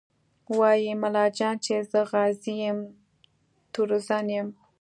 وايي ملا جان چې زه غازي یم تورزن یم